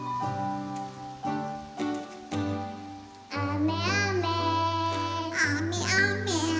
「あめあめ」あめあめ。